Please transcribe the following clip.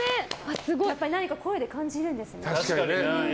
やっぱり何か声で感じるんですね。